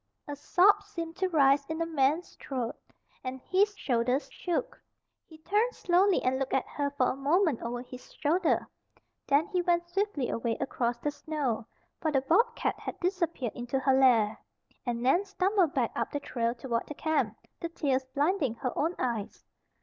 A sob seemed to rise in the man's throat, and his shoulders shook. He turned slowly and looked at her for a moment over his shoulder. Then he went swiftly away across the snow (for the bobcat had disappeared into her lair) and Nan stumbled back up the trail toward the camp, the tears blinding her own eyes.